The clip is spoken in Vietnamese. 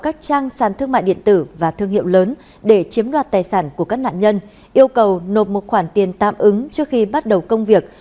các trang sàn thương mại điện tử và thương hiệu lớn để chiếm đoạt tài sản của các nạn nhân yêu cầu nộp một khoản tiền tạm ứng trước khi bắt đầu công việc